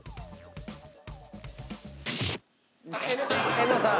遠藤さん。